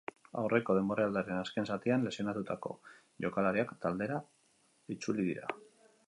Aurreko denboraldiaren azken zatian lesionatutako jokalariak taldera itzuli dira.